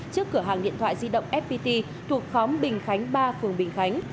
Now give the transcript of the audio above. trước cửa hàng điện thoại di động fpt thuộc khóm bình khánh ba phường bình khánh